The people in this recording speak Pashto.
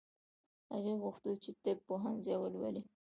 هغې غوښتل چې طب پوهنځی ولولي